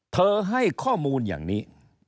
ให้ข้อมูลอย่างนี้